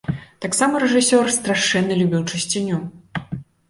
Таксама рэжысёр страшэнна любіў чысціню.